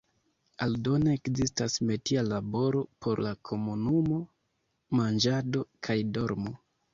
Aldone ekzistas metia laboro por la komunumo, manĝado kaj dormo.